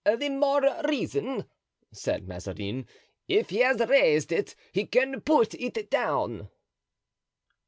"The more reason," said Mazarin; "if he has raised it he can put it down."